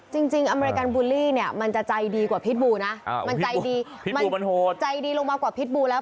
จริงอเมริกันบูลลี่เนี่ยมันจะใจดีกว่าพิษบูนะมันใจดีมันใจดีลงมากว่าพิษบูแล้ว